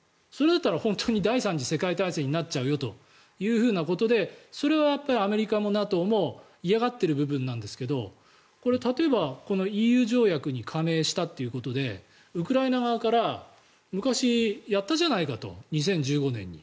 それだったら本当に第３次世界大戦になっちゃうよということでそれはアメリカもＮＡＴＯも嫌がっている部分なんですが例えば、ＥＵ条約に加盟したということでウクライナ側から昔、やったじゃないかと２０１５年に。